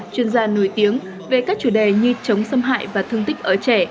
chuyên gia nổi tiếng về các chủ đề như chống xâm hại và thương tích ở trẻ